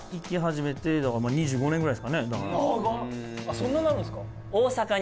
そんななるんすか？